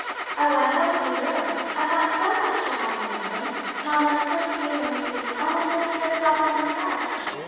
"Oh, I hope he will! I want so much to have you know them. Mamma is so dear and sweet, almost as dear as papa himself.